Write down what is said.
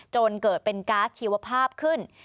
จนเกิดเป็นก๊าซชีวภาพขึ้น